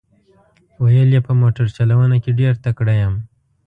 ویل یې په موټر چلونه کې ډېر تکړه یم.